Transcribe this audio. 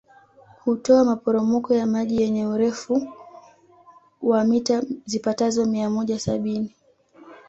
Hutoa maporomoko ya maji yenye urefu wa mita zipatazo mia moja sabini